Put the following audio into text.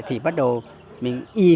để thị trường khảo nổi mới